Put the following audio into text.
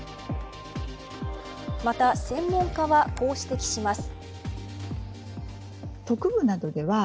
また専門家は、こう指摘します。